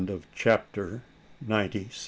CHAPTER NINETY SEVEN.